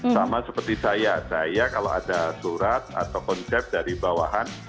sama seperti saya saya kalau ada surat atau konsep dari bawahan